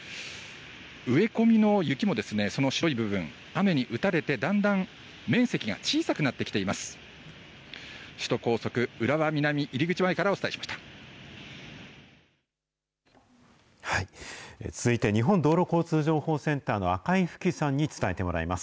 植え込みの雪も、その白い部分、雨に打たれて、だんだん面積が小さくなってきています。